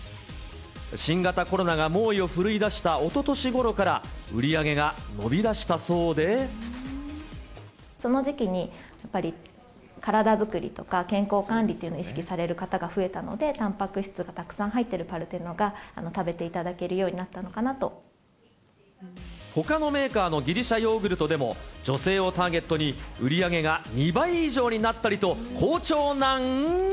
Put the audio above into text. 新型コロナが猛威を振るいだしたおととしごろから、売り上げが伸その時期にやっぱり、体づくりとか、健康管理というのを意識される方が増えたので、たんぱく質がたくさん入ってるパルテノが食べていただけるようにほかのメーカーのギリシャヨーグルトでも、女性をターゲットに、売り上げが２倍以上になったりと、好調なん。